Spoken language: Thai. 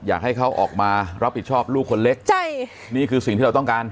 อยากให้เขาออกมารับผิดชอบลูกคนเล็กใช่นี่คือสิ่งที่เราต้องการ